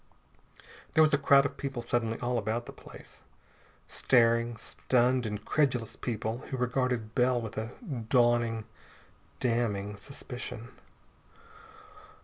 There was a crowd of people suddenly all about the place. Staring, stunned, incredulous people who regarded Bell with a dawning, damning suspicion.